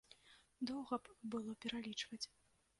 Доўга б было пералічваць.